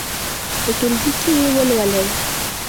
په ټولګي کې یې ولولئ.